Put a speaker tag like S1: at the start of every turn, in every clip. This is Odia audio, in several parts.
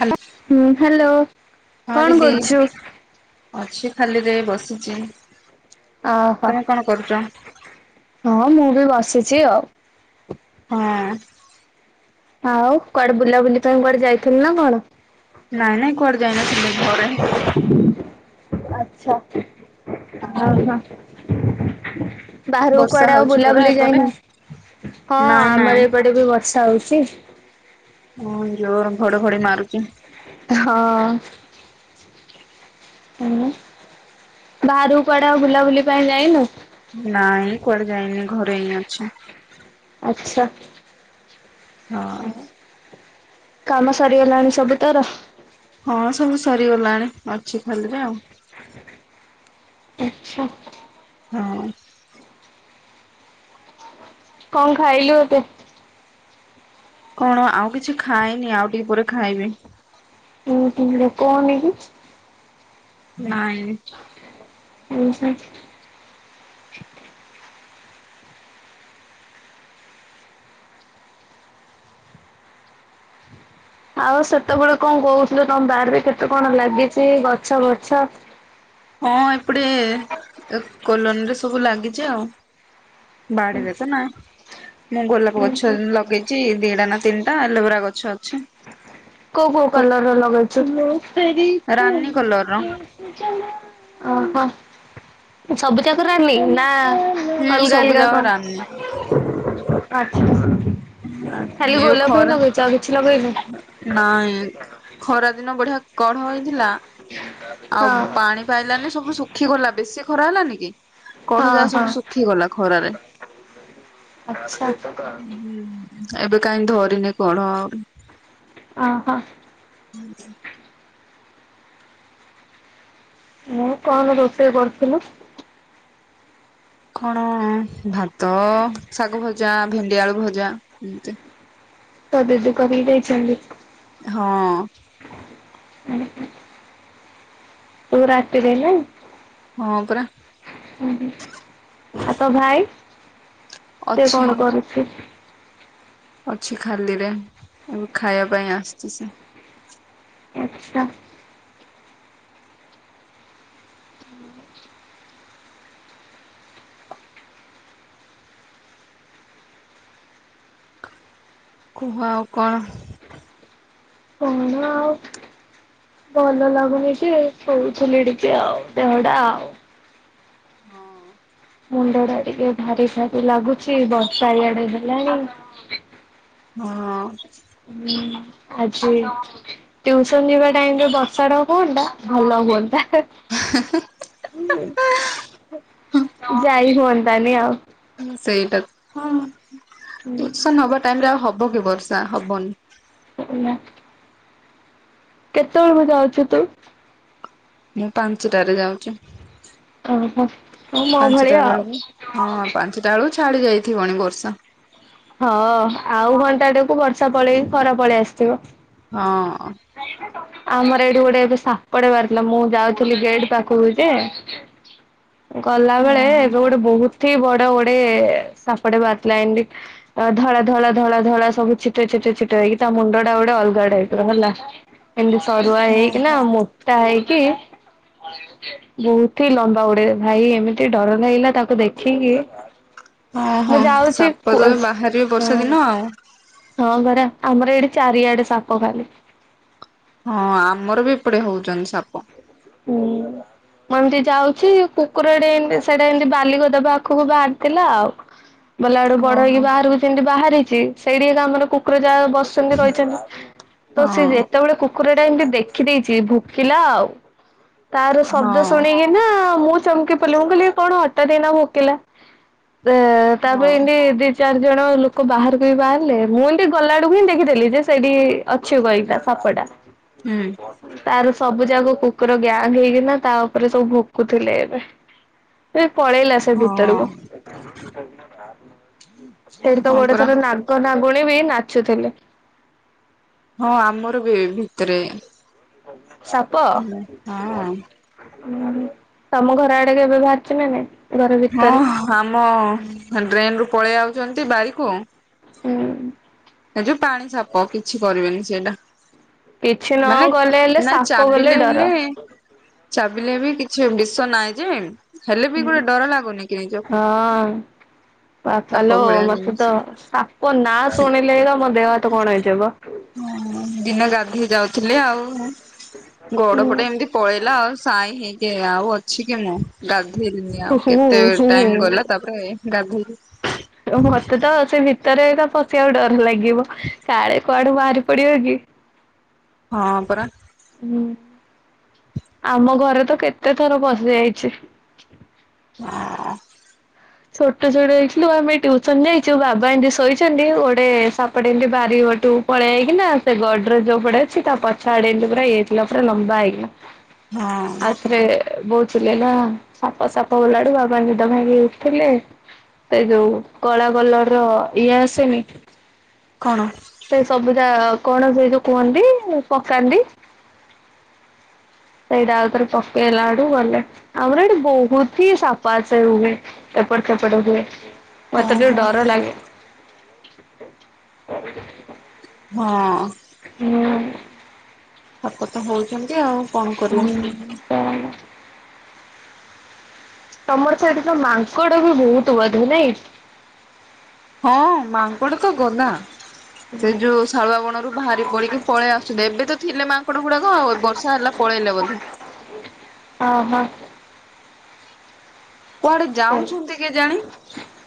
S1: ହ୍ୟାଲୋ
S2: ହୁଁ ହ୍ୟାଲୋ
S1: ହଁ
S2: କଣ
S1: ଦିଦି
S2: କରୁଛୁ?
S1: ଅଛି। ଖାଲିରେ ବସିଚି।
S2: ଓହୋ ହଁ ମୁଁ ବି ବସିଚି ଆଉ।
S1: ହଁ।
S2: ଆଉ କୁଆଡେ ବୁଲାବୁଲି ପାଇଁ କୁଆଡେ ଯାଇଥିଲ ନା କଣ?
S1: ନାଇଁ [inaudible] ଘରେ
S2: ଆଛା ଅ ହ। ବାହାରକୁ
S1: ବର୍ଷା
S2: କୁଆଡେ ଆଉ
S1: ହଉଛି ପରା
S2: ବୁଲାବୁଲି
S1: ଏପଟେ।
S2: ଯାଇନ? ହଁ
S1: ନାଇଁ ନାଇଁ
S2: ଆମର ଏପଟେ ବି ବର୍ଷା ହଉଚି। ଛି।
S1: ହଁ ଜୋର ଘଡ ଘଡ଼ି ମାରୁଚି।
S2: ହଁ ଅ। ଉଁ ବାହାରୁକୁ କୁଆଡେ ଆଉ ବୁଲାବୁଲି ପାଇଁ ଯାଇନୁ?
S1: ନାଇଁଁ କୁଆଡେ ଯାଇନି ଘରେ ହିଁ ଅଛି।
S2: ଆଚ୍ଛା।
S1: ହଁ।
S2: କାମ ସରିଗଲାଣି ସବୁ ତୋର?
S1: ହଁ ସବୁ ସରିଗଲାଣି। ଅଛି ଖାଲିରେ ଆଉ
S2: ଆଚ୍ଛା।
S1: ହଁ ଅ।
S2: କଣ ଖାଇଲୁ ତୁ?
S1: କଣ ଆଉ କିଛି ଖାଇନି ଆଉ ଟିକେ ପରେ ଖାଇବି।
S2: ହୁଁ ହୁଁ ଲୋକ ଙ୍କୁ ନେଇକି
S1: ନାଇଁ।
S2: ଉୁଁ ହୁଁ। ଆଉ ସେତବେଳେ କଣ କହୁଥୁଲୁ ତମ ବାରିରେ କେତେ କଣ ଲାଗିଚି ଗଛ ବଛ।
S1: ହଁ ଏପଟେ କଲୋନୀରେ ସବୁ ଲାଗିଚି ଆଉ। ବାଡ଼ିିବେ ତ ନା ମୁଁ ଗୋଲାପ ଗଛ ଲଗେଇଚି ଦିଟା ନା ତିନିଟା ଏଲୋବେରା ଗଛ ଅଛି।
S2: କୋଉ କୋଉ କଲର ର ଲଗେଇଛୁ?
S1: ରାନୀ କଲର ର
S2: [unintelligible] ଓହୋ ସବୁଜାକ ରାନୀ ନା
S1: ହୁଁ
S2: ଅଲଗା
S1: ସବୁ
S2: ଅଲଗା
S1: ଯାକ
S2: କଣ
S1: ରାନୀ
S2: ଆଛା। ଖାଲି
S1: ଏବେ
S2: ଗୋଲାପ ହିଁ
S1: ଖରା
S2: ଲଗେଇଚ ଆଉ କିଛି ଲଗେଇନୁ?
S1: ନାଇଁ ଖରା ଦିନ ବଢିଆ କଢ ହେଇଥିଲା ଆଉ
S2: ହଁ
S1: ପାଣି ପାଇଲାନି ସବୁ ଶୁଖି ଗଲା। ବେଶୀ ଖରା ହେଲାନି? କି? କଢ
S2: ହଁ
S1: ଯାହା
S2: ହଁ
S1: ସବୁ ଶୁଖିଗଲା ଖରାରେ।
S2: ଆଚ୍ଛା
S1: ଏବେ କାହିଁ ଧରିନି କଢ଼?
S2: ଓହୋ।
S1: ଉଁ ହୁଁ ।
S2: ମୁଁ କଣ ରୋଷେଇ କରୁଥୁଲୁ?
S1: କଣ ଭାତ ଶାଗ ଭଜା ଭେଣ୍ଡି ଆଳୁ ଭଜା ଏମତି।
S2: ତୋ ଦିଦି କରିକି ଯାଇଛନ୍ତି।
S1: ହଁ।
S2: ଉଁ ହୁଁ। ତୁ ରାତିରେ ନା।
S1: ହଁ ପରା।
S2: ଉଁ ହୁଁ ଆ ତ ଭାଇ? ସେ
S1: ଅଛି
S2: କଣ କରୁଛି?
S1: ଅଛି ଖାଲିରେ ଏବେ ଖାଇବା ପାଇଁ ଆସିଚି ସିଏ।
S2: ଆଛା। [unintelligible]
S1: କୁହ ଆଉ କଣ?
S2: କଣ ଆଉ? ଭଲ ଲାଗୁନି ଟି କହୁଥିଲି ଟିକେ ଆଉ ଦେହ ଟା ଆଉ।
S1: ହଁ।
S2: ମୁଣ୍ଡ ଟା ଟିକେ ଭାରି ଭାରି ଲାଗୁଚି ବର୍ଷା ଇଆଡେ ଦେଲାଣି।
S1: ହଁ।
S2: ହୁଁ ଆଜି ଟିଉସନ ଯିବା ଟାଇମ ରେ ବର୍ଷା ଟା ହୁଅନ୍ତା ଭଲ ହୁଅନ୍ତା। ହେ ଯାଇ ହୁଅନ୍ତା ନି ଆଉ।
S1: ସେଇଟା ହଁ ଟିଉସନ୍ ହବା ଟାଇମରେ ଆଉ ହ ହବ କି ବର୍ଷା ହବନି।
S2: ନା। କେତବେଳକୁ ଯାଉଚୁ ତୁ?
S1: ମୁଁ ପାଞ୍ଚଟାରେ ଯାଉଚି।
S2: ଓହୋ ହଁ ମୋ
S1: ପାଞ୍ଚଟା
S2: ଭଳିଆ ଆଉ।
S1: ବେଳକୁ ହଁ ପାଞ୍ଚଟା ବେଳକୁ ଛାଡି ଯାଇଥିବଣି ବର୍ଷା।
S2: ହଁ ଆଉ ଘଣ୍ଟାରେକୁ ବର୍ଷା ପଳେଇକି ଖରା ପଳେଇ ଆସିଥିବ।
S1: ହଁ।
S2: [unintelligible] ଆମର ଏଇଠି ଗୋଟେ ଏବେ ସାପଡେ ବାହାରି ଥିଲା ମୁଁ ଯାଉଥିଲି ଗେଟ୍ ପାଖକୁ ଯେ। ଗଲା ବେଳେ
S1: ଓହୋ
S2: ଏବେ ଗୋଟେ ବହୁତ ଏଠି ବଡ ଗୋଡେ ସାପଟେ ବାହାରି ଥିଲାତ। ଏମିତି ଧଳା ଧଳା ଧଳା ଧଳା ସବୁ ଛିଟା ଛି ଛିଟା ଛିଟା ହେଇକି ତା ମୁଣ୍ଡ ଟା ଗୋଟେ ଅଲଗା ଟାଇପିର ହେଲା। ଏମତି ସରୁଆ ହେଇକି ନା ମୋଟା ହେଇକି। ବହୁତ ହି ଲମ୍ବା ଉଡେ ଭାଇ ଏମିତି ଡର ଲାଗିଲା ତାକୁ ଦେଖିକି।
S1: ହଁ
S2: ମୁଁ
S1: ହଁ
S2: ଯାଉଛି
S1: ସାପ ତ
S2: କୁଲଷ
S1: ବାହାରିବେ ବର୍ଷା ଦିନ
S2: ହଁ
S1: ଆଉ।
S2: ହଁ ପରା। ଆମର ଏଠି ଚାରିଆଡେ ସାପ ଖାଲି।
S1: ହଁ ଆମର ବି ଏପଟେ ହଉଚନ୍ତି ସାପ।
S2: ହୁଁ। ମୁଁ ଏମିତି ଯାଉଛି କୁକୁରଟେ ଏମତି ସେଟା ଏମିତି ବାଲିଗଦା ପାଖକୁ ବାହାରିଥିଲା ଆଉ। ବଲା ଆଡୁ ବଡ
S1: ଓହୋ
S2: ହେଇକି
S1: ହଁ
S2: ବାହାରକୁ ସେମିତି ବାହାରିଛି। ସେଇଠି ଆମର କୁକୁର ଯା ବସିଛନ୍ତି ରହିଛନ୍ତି। ତ ସେ
S1: ହଁ
S2: ଯେତେବେଳେ କୁ କୁକୁର ଟା ଏମିତି ଦେଖିଦେଇଚି ଭୁକିଲା ଆଉ। ତାର ଶବ୍ଦ ଶୁଣିକି ନା ମୁଁ ଚମକି ପିଡିଲି ମୁଁ କହିଲି କଣ ହଠାତ ଏଇନା ଭୁକିଲା। ଦେ ତାପରେ
S1: ହଁ
S2: ଏମତି ଚାରିଜଣ ଲୋକ ବାହାରକୁ ବାହାରିଲେ। ମୁଁ ଏମିତି ଗଲା ଆଡକୁ ହିଁ ଦେଖିଦଥିଲି। ଯେ ସେଇଠି ଅଛି ୱାଇଟା ସାପଟା।
S1: ହୁଁ
S2: ତାର ସବୁ ଯାକ କୁ କୁକୁର ଗ୍ୟାଙ୍ଗ ହେଇକିନା ତା ଉପରେ ସବୁ ଭୁକୁଥିଲେ ଏବେ। ପଳେଇଲା ସେ
S1: ହଁ
S2: ଭିତରକୁ। ସେଇଠି ତ
S1: ହଁ
S2: ଗୋଟେ
S1: ପରା
S2: ଥର ନାଗ ନାଗୁଣୀ ବି ନାଚୁଥିଲେ।
S1: ହଁ ଆମର ବି ଭିତରେ।
S2: ସାପ
S1: ହଁ
S2: ହୁଁ। ତମ ଘର ଆଡେ କେବେ ବାହାରିଛି ନା ନାଇଁ ।
S1: ହଁ ଆମ ଡ୍ରେନ ରୁ ପଳେଇ ଆଉଛନ୍ତି ବାରିକୁ।
S2: ହୁଁ।
S1: ଏ ଯୋଉ ପାଣି ସାପ କିଛି କରିବେନି ସେଇଟା।
S2: କିଛି ନ
S1: ମାନେ
S2: ଗଲେ ହେଲେ
S1: ନା
S2: ସାପ ବୋଲେ
S1: ଚାବିଲେ
S2: ଡର।
S1: ହେଲେ। ଚାବିଲେ ବି କିଛି ବିଷ ନାହିଁ ଯେ ହେଲେ ବି ଗୋଟେ ଡର ଲାଗୁନି। କି ନିଜକୁ
S2: ହଁ
S1: ସାପ
S2: ବାପାଲୋ
S1: ଭଳିଆ
S2: ମତେତ ସାପ ନାଁ ଶୁଣି
S1: ହଁ ଦିନ ଗାଧେଇ ଯାଉଥିଲେ ଆଉ। ଗୋଡ
S2: ହୁଁ
S1: ପଟେ ଏମିତି ପଳେଇଲା ଆଉ ସାଇଁ ହେଇକି ଆଉ ଅଛି। ମୁଁ ଗାଧେଇଲିନି ଆଉ
S2: ହୁଁ
S1: କେତେ ଟାଇମ
S2: ହୁଁ।
S1: ଗଲା ତାପରେ ଗାଧେଇ
S2: ମତେ ତ ସେ ଭିତରେ ତ ପଶିବାକୁ ଡର ଲାଗିବ। କାଳେ କୁଆଡୁ ବାହାରି ପଡିବ କି?
S1: ହଁ ପରା।
S2: ହୁଁ। ଆମ ଘରେ ତ କେତେ ଥର ପଶିଯାଇଚି।
S1: ହଁ।
S2: ଛୋଟ ଛୋଟ ହେଇଥିଲୁ ଆମେ ଟ୍ୟୁସନ ଯାଇଚୁ। ବାବା ଏମତି ଶୋଇଚନ୍ତି। ଗୋଟେ ସାପଟେ ଏମିତି ବାହାରି ହେଟୁ ପଳେଇ ଆଇକିନା ସେ ଗଡରେଜ ଯୋଉ ପଟେ ଅଛି ତା ପଛ ଆଡେ ଏମିତି ପୁରା ଏ କ୍ଲାସର ଲମ୍ବା ହେଇକିନା
S1: ହଁ
S2: ଆଉଥରେ ବହୁଥିଲେ ନା ସାପ ସାପ ଓଲାଡୁ ଆଉ କଣ ନିଦ ଭାଙ୍ଗି ଥିଲେ ସେ ଯୋଉ କଳା କଲର ର ଇଏ ଆସେନି।
S1: କଣ
S2: ସେ ସବୁଦା କଣ ସେଇ ଯୋଉ କୁହନ୍ତି ପକାନ୍ତି। ସେଇଟା ଆଉଥର ପକେଇଲା ଆଡୁ ଗଲେ ଆମର ଏଇଠି ବହୁତ ହି ସାଫା ସେ ହୁଏ। ଏପଟ ସେପଟ ହୁଏ ମତେ ଟିକେ
S1: ଓହୋ
S2: ଡର ଲାଗେ।
S1: ହଁ।
S2: ହୁଁ।
S1: ସାପ ତ ହଉଚନ୍ତି।
S2: ହୁଁ କଣ? ତମର ସେ ଏଠି ତ ମାଙ୍କଡ ବି ବହୁତ ବଧେ ନାଇଁ।
S1: ହଁ ମାଙ୍କଡ ତ ଗଲା ସେ ଯୋଉ ଶାଳୁଆ ବଣରୁ ବାହାରି ପଡିକି ପଳେଇ ଆସୁେ ଏବେ ତ ଥିଲେ ମାଙ୍କଡ ଗୁଡାକ ଆଉ ବର୍ଷା ହେଲା ପ ପଳେଇଲେ ବୋଧେ।
S2: ହଁ
S1: କୁଆଡେ
S2: ହଉ
S1: ଯାଉଛନ୍ତି କେଜାଣି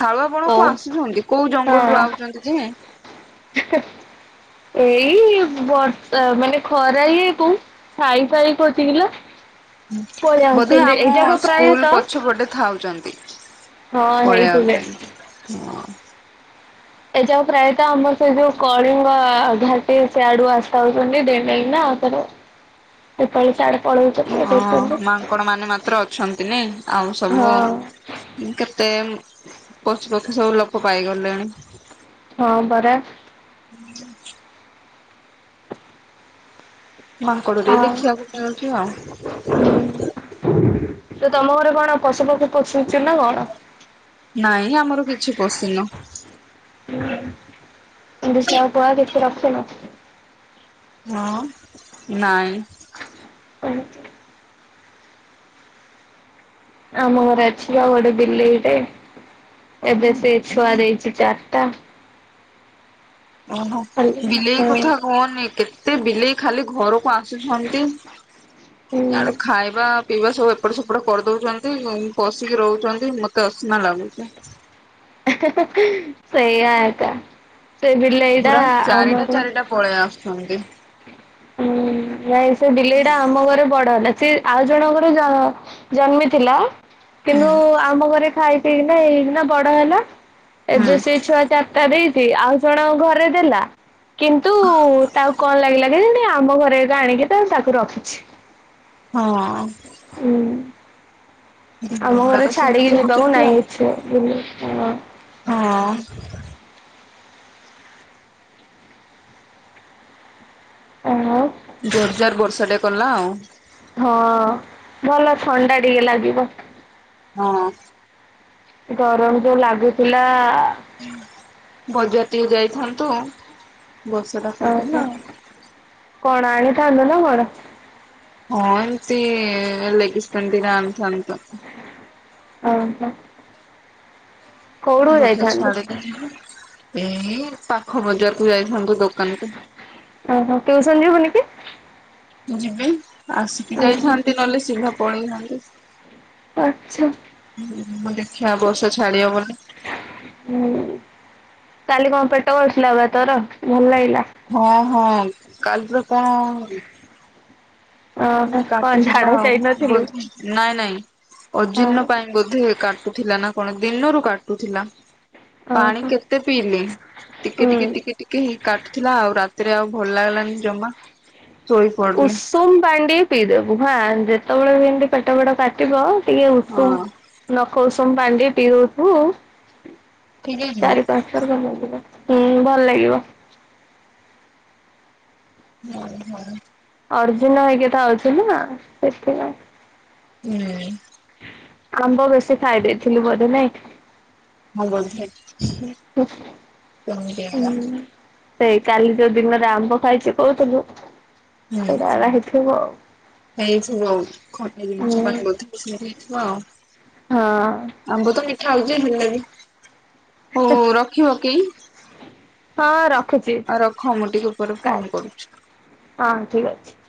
S1: ଶାଳୁଆ ବଣ କୁ ଆସୁଛନ୍ତି କୋଉ ଜଙ୍ଗଲରୁୁ
S2: ହଁ।
S1: ଆଉଛନ୍ତି ଯେ
S2: [inaudible] ଏଇ ବର୍ଷା ମାନେ ଖରା ଇଏକୁ ସାଇ ଫାଇ ପଇଚିକିଲୋ
S1: ବୋଧେ ଆମ ସ୍କୁଲ
S2: ପ୍ରାୟତଃ
S1: ପଛପଟେ ଥାଉଛନ୍ତି।
S2: ହଁ
S1: ପଳେଇବା
S2: ହେଇଥିବେ।
S1: କଥା
S2: ଏ ଯୋଉ ପ୍ରାୟତଃ ଆମର ସେ ଯୋଉ କଳିଙ୍ଗ ଘାଟି ସେ ଆଡୁ ଆସି ଯାଉଛନ୍ତି ଡେ ଡେଇକିନ ନା। [unintelligible]
S1: ହଁ ମାଙ୍କଡ ମାନେ ମାତ୍ର ଅଛନ୍ତି ନି ଆଉ ସବୁ
S2: ହଁ
S1: କେତେ ପଶୁ ପକ୍ଷୁ ସବୁ ଲୋକ ପାଇଗଲେଣି
S2: ହଁ ପରା।
S1: ମାଙ୍କଡ
S2: ହଁ।
S1: ଟିକେ ଦେଖିବାକୁ ଯାଉଛୁ
S2: ହୁଁ
S1: ଆଉ।
S2: ତ ତମ ଘରେ କଣ ପଶୁ ପକ୍ଷୀ ପଷୁଛି ନା କଣ?
S1: ନାଇଁ ଆମର କିଛି ପଶୀନୁ।
S2: ଦୁଷଆ ପୁଆ କିଛି ରଖିନୁ
S1: ହଁ ନାଇଁ
S2: ଉ ହୁ। ଆମ ଘରେ ଅଛି ବା ଗୋଟେ ବିଲେଇଟେ। ଏବେ ସେ ଛୁଆ ଦେଇଛି ଚାରିଟା।
S1: ଓହୋ
S2: ଖାଲି
S1: ବିଲେଇ
S2: ହଁ
S1: କଥା କହନି କେତେ ବିଲେଇ ଖାଲି ଘରକୁ ଆସୁଛନ୍ତି।
S2: ହୁଁ
S1: ଆଡେ ଖାଇବା ପିଇବା ସବୁ ଏପଟ ସେପଟ କରିଦଉଛନ୍ତି ପଶିକି ରହୁଛନ୍ତି ମତେ ଅସନା ଲାଗୁଛି।
S2: ସେଇଆ ଏକା ସେ ବିଲଇଟା
S1: ପୁରା ଚାରିଟା
S2: ଆମର
S1: ଚାରିଟା ପଳେଇ ଆସୁଛନ୍ତି
S2: ହୁଁ ନାଇଁ ସେ ବିଲେଇ ଟା ଆମ ଘରେ ବଡ ହେଲା। ସେ ଆଉ ଜଣଙ୍କର ଜ ଜନ୍ମିଥିଲା
S1: ହୁଁ
S2: କିନ୍ତୁ ଆମ ଘରେ ଖାଇ ପି କିନା ଏଇକିନା ବଡ ହେଲା ଏବେ
S1: ହୁଁ।
S2: ସେ ଛୁଆ ଚାରିଟା ଦେଇ ଆଉ ଜଣଙ୍କ ଘରେ ଦେଲା କିନ୍ତୁ ତାକୁ କଣ ଲାଗିଲା କେଜାଣି ଆମ ଘରେ ଏକା ଆଣିକି ତା ତାକୁ ରଖୁଛି।
S1: ହଁ।
S2: ଆମ
S1: ଗୁଡା
S2: ଘରେ
S1: ତ ସେମିତି
S2: ଛାଡିକି ଯିବାକୁ
S1: ହଉଛନ୍ତି ଆଉ
S2: ନାହିଁ କିଛି ବୁ
S1: ହଁ।
S2: ଆଉ
S1: ଜୋରଜାର ବର୍ଷା ଟେ କଲା ଆଉ
S2: ହଁ ଭଲ ଥଣ୍ଡା ଟିକେ ଲାଗିବ।
S1: ହଁ।
S2: ଗରମ ଯୋଉ ଲାଗୁଥିଲା
S1: ବଜାର ଟିକେ ଯାଇଥାନ୍ତୁ। ବର୍ଷା ଟା କରିଦେଲା
S2: ଆଜ୍ଞା
S1: ଆଉ।
S2: କଣ ଆଣିଥାନ୍ତୁ ନା କଣ?
S1: ହଁ ଏମିତି ଲେଗ୍ସ୍ ପ୍ୟାଣ୍ଟ ଦିଟା ଆଣିଥାନ୍ତି ତ
S2: ଓ ହୋ।
S1: ବର୍ଷା ଛାଡୁ ଟିକେ ତ ଏଇ ପାଖ ବଜାରକୁ ଯାଇ ହାନ୍ତୁ ଦୋକାନକୁ
S2: ଓହୋ ଟିଉସନ ଯିବୁନି କି?
S1: ଯିବି ଆସିକି
S2: ଓହୋ
S1: ଯାଇଥାନ୍ତି ନହେଲେ ସିଧା ପଳେଇଥାନ୍ତି।
S2: ଆଚ୍ଛା।
S1: ହୁଁ ଦେଖିବା ବର୍ଷା ଛାଡ଼ିବ ବୋଲେ
S2: ହୁଁ କାଲି କଣ ପେଟ କାଟୁଥିଲା ବା ତୋର ତୋର ଭଲ ଲାଗ
S1: ହଁ ହଁ, କାଲ୍ ତ କଣ?
S2: ଓହୋ କଣ
S1: କାଟୁଥିବା
S2: ଝାଡା
S1: ଆଉ
S2: ଯାଇନଥିଲୁ?
S1: ବୋଧେ ନାଇଁ ନାଇଁ
S2: ଓହୋ
S1: ଅଜିୀର୍ଣ୍ଣ ପାଇଁ ବୋଧେ କାଟୁଥିଲା ନା କଣ ଦିନରୁ କାଟୁଥିଲା। ପାଣି କେତେ ପିଇଲି ଟିକେ
S2: ହୁଁ।
S1: ଟିକେ ଟିକେ ଟିକେ ହେଇ କାଟୁଥିଲା। ଆଉ ରାତ ରାତିରେ ଆଉ ଭଲ ଲାଗିଲାନି ଜମା ଶୋଇ ପଡିଲି।
S2: ଉଷୁମ ପାଣି ଟିକେ ପିଇଦବୁ। ହାଁ, ଯେତେବେଳେ ବି ଏମିତି ପେଟ ଫେଟ କାଟିବ। ଟିକେ
S1: ହଁ
S2: ଉଷୁମ ନଖ ଉଷୁମ ପାଣି ଟିକେ ପିଇ ଦଉଥିବୁ
S1: ଠିକ ହେଇଯିବ
S2: ଚାରି ପାଞ୍ଚ ଥର ଜନ୍ମଦିନ ହୁଁ ଭଲ ଲାଗିବ।
S1: ହୁଁ, ହୁଁ।
S2: ଅର୍ଜୁନ ହେଇକି ଥାଉଛନ୍ତି ନା ସେଥିପାଇଁ।
S1: ହୁଁ।
S2: ଆମ୍ବ ବେଶୀ ଖାଇ ଦେଇେଇଥିଲୁ ବୋଧେ ନାଇଁ?
S1: ହୁଁ ବୋଧେ!
S2: ହଁ,
S1: ସେମିତି ଏକା
S2: ହୁଁ। ସେଇ କାଲି ଯୋଉ ଦିନରେ ଆମ୍ବ ଖାଇଛି କହୁଥିଲୁ। ସେଇଟାଗା ହେଇଥିବ।
S1: ଏଇ ସବୁ ଆଉ ଖଟା
S2: ହୁଁ
S1: ଜିନିଷ ପାଇଁ ବଧେ ହେଇଥିବ ଆଉ।
S2: ହଁ
S1: ଆମ୍ବ ତ ମିଠା ଆଉଛି ଭଲ ବି। ହଉ ରଖିବ କି?
S2: ହଁ, ରଖୁଛି।
S1: ଆଉ ରଖ ମୁଁ ଟିକେ ପରେ ଫୋନ
S2: କାଟ୍!
S1: କରୁଛି।
S2: ହଁ ଠିକ୍ ଅଛି।